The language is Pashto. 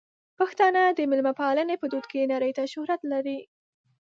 پښتانه د مېلمه پالنې په دود کې نړۍ ته شهرت لري.